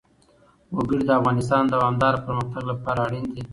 وګړي د افغانستان د دوامداره پرمختګ لپاره اړین دي.